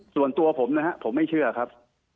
ส่วนตัวผมนะครับผมไม่เชื่อครับ